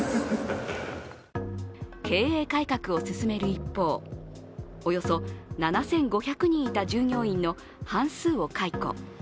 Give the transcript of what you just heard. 経営改革を進める一方、およそ７５００人いた従業員の半数を解雇。